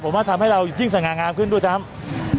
ผมว่าทำให้เรายิ่งสง่างามขึ้นด้วยซ้ำ